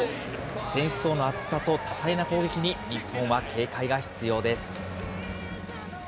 選手層の厚さと多彩な攻撃に日本は警戒が必要です。